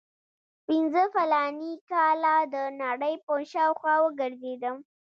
پنځه فلاني کاله د نړۍ په شاوخوا وګرځېدم.